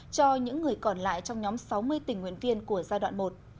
cho những người còn lại trong nhóm sáu mươi tình nguyện viên của giai đoạn một